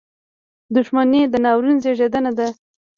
• دښمني د ناورین زېږنده ده.